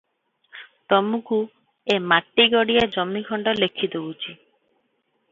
ତମୁକୁ ଏ ମାଟିଗାଡ଼ିଆ ଜମିଖଣ୍ଡ ଲେଖି ଦଉଚି ।